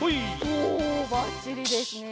おおばっちりですね。